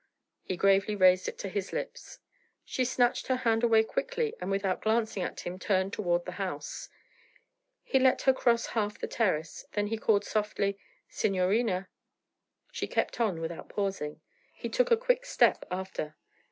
He gravely raised it to his lips. She snatched her hand away quickly and without glancing at him turned toward the house. He let her cross half the terrace, then he called softly 'Signorina!' She kept on without pausing. He took a quick step after.